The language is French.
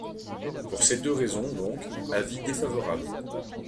Pour ces deux raisons, donc, avis défavorable.